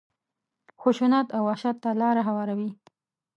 خشونت او وحشت ته لاره هواروي.